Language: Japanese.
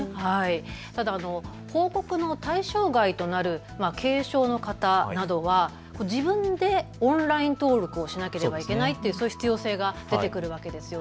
報告の対象外となる軽症の方などは自分でオンライン登録をしなければならないという必要性が出てくるんです。